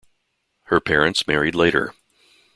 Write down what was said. Her parents married later.